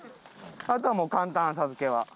あとはもう簡単浅漬けは。